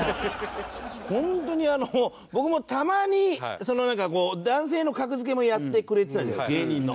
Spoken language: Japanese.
ホントに僕もたまに男性の「格付け」もやってくれてたじゃない芸人の。